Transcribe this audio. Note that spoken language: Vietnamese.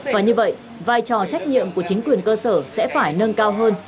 và như vậy vai trò trách nhiệm của chính quyền cơ sở sẽ phải nâng cao hơn